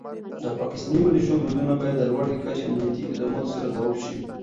د پاکستاني ملیشو بریدونه باید د لوړ کچې امنیتي اقداماتو سره ځواب شي.